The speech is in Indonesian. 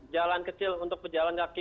jalan kecil untuk pejalan kaki